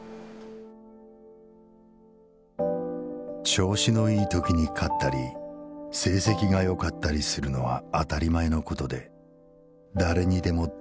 「調子のいい時に勝ったり成績が良かったりするのは当り前の事で誰にでも出来る事だ。